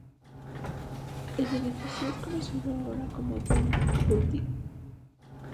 El edificio es conocido ahora como el Brown Building.